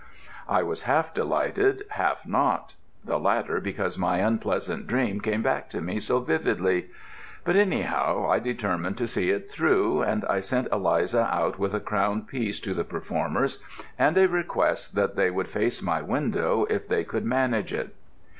I was half delighted, half not the latter because my unpleasant dream came back to me so vividly; but, anyhow, I determined to see it through, and I sent Eliza out with a crown piece to the performers and a request that they would face my window if they could manage it.